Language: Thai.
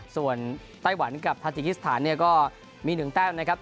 ส่วนไต้หวันกับพาติกิสธารก็มี๑แต้นนะครับ